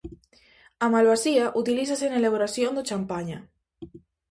A malvasía utilízase na elaboración do champaña.